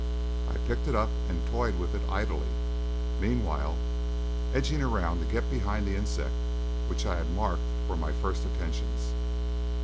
I picked it up and toyed with it idly, meanwhile edging around to get behind the insect which I had marked for my first attentions.